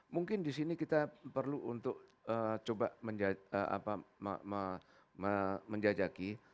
mungkin disini kita perlu untuk coba menjajaki